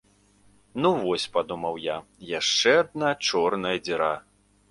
Ну вось, падумаў я, яшчэ адна чорная дзіра.